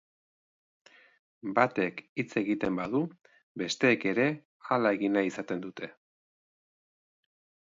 Batek hitz egiten badu, besteek ere hala egin nahi izaten dute.